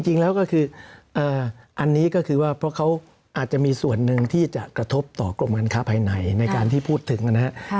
จริงแล้วก็คืออันนี้ก็คือว่าเพราะเขาอาจจะมีส่วนหนึ่งที่จะกระทบต่อกรมการค้าภายในในการที่พูดถึงนะครับ